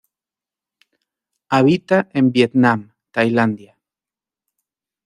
Habita en Vietnam Tailandia.